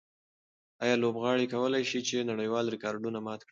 آیا لوبغاړي کولای شي چې نړیوال ریکارډونه مات کړي؟